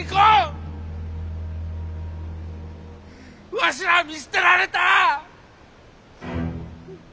わしらぁ見捨てられた！